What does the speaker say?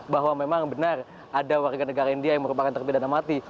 bahwa memang benar ada warga negara india yang merupakan terpidana mati